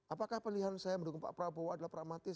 apakah pilihan saya mendukung pak prabowo adalah pragmatis